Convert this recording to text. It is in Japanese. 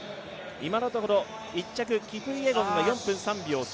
今のところ１着キプイエゴンが４分３秒９８。